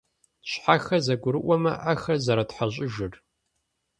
Щхьэхэр зэгурыӀуэмэ, Ӏэхэр зэротхьэщӀыжыр.